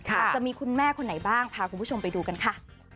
จะมีคุณแม่คนไหนบ้างพาคุณผู้ชมไปดูกันค่ะ